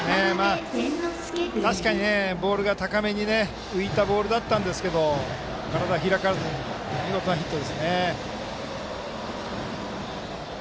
確かに高めに浮いたボールだったんですが体開かずに、見事なヒットですね。